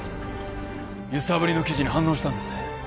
揺さぶりの記事に反応したんですね